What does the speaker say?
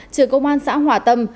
trưởng công an xã hòa tâm